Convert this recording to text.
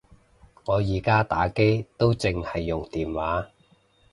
我而家打機都剩係用電話